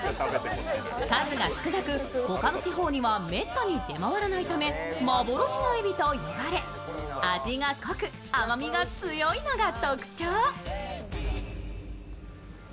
数が少なく、ほかの地方にはめったに出回らないため幻のエビと呼ばれ、味が濃く甘みが強いのが特徴。